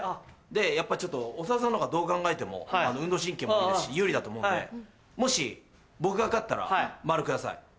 やっぱ長田さんのほうがどう考えても運動神経もいいですし有利だと思うんでもし僕が勝ったらマルください。